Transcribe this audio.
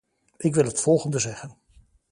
Ik wil het volgende zeggen.